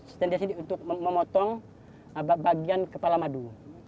standless ini untuk memotong bagian kepala madu